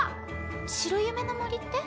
白夢の森って？